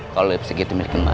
kalau lipstick itu miliki mbak